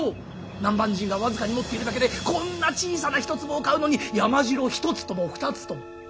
南蛮人が僅かに持っているだけでこんな小さな一粒を買うのに山城１つとも２つとも。